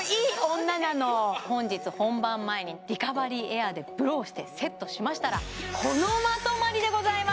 本日本番前にリカバリーエアーでブローしてセットしましたらこのまとまりでございます